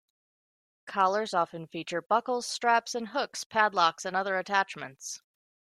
Collars often feature buckles, straps and hooks, padlocks and other attachments.